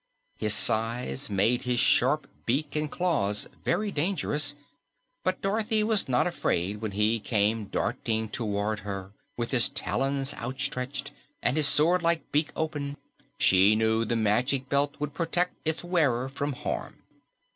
His size made his sharp beak and claws very dangerous, but Dorothy was not afraid when he came darting toward her with his talons outstretched and his sword like beak open. She knew the Magic Belt would protect its wearer from harm.